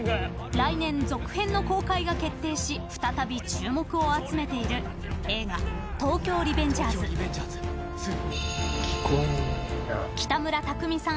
来年、続編の公開が決定し再び注目を集めている映画「東京リベンジャーズ」北村匠海さん